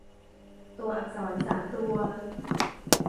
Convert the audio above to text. ตัวอักษรสามตัว